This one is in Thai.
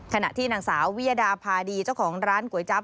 ขณะที่นางสาววิยดาพาดีเจ้าของร้านก๋วยจั๊